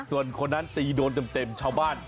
ส่วนคนนั้นตีโดนเต็มชาวบ้าน